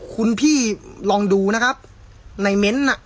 คุณพี่ลองดูนะครับในเม้นต์น่ะ